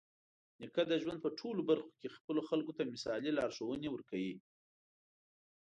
نیکه د ژوند په ټولو برخه کې خپلو خلکو ته مثالي لارښوونې ورکوي.